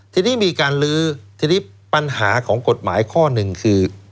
ทีนี้มีการลื้อทีนี้ปัญหาของกฎหมายข้อหนึ่งคือ